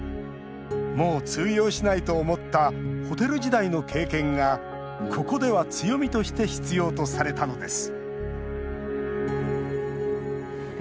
もう通用しないと思ったホテル時代の経験がここでは、強みとして必要とされたのです